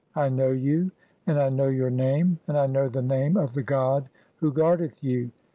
I know you, and I know your "name, and I know the name of the god (32) who guardeth "you.